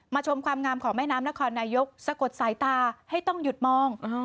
ชมความงามของแม่น้ำนครนายกสะกดสายตาให้ต้องหยุดมอง